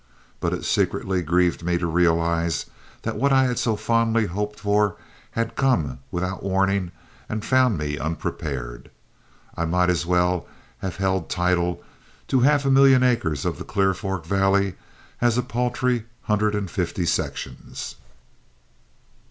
But it secretly grieved me to realize that what I had so fondly hoped for had come without warning and found me unprepared. I might as well have held title to half a million acres of the Clear Fork Valley as a paltry hundred and fifty sections.